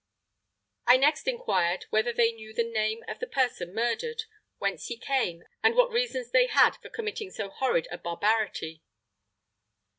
I next inquired whether they knew the name of the person murdered, whence he came, and what reasons they had for committing so horrid a barbarity.